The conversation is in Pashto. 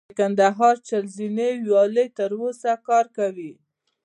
د کندهار چل زینو ویالې تر اوسه کار کوي